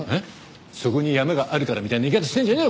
「そこに山があるから」みたいな言い方してんじゃねえよ！